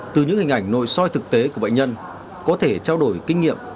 từ những hình ảnh nội soi thực tế của bệnh nhân có thể trao đổi kinh nghiệm